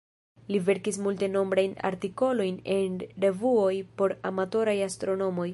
Li verkis multenombrajn artikolojn en revuoj por amatoraj astronomoj.